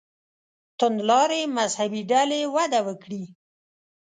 توندلارې مذهبي ډلې وده وکړي.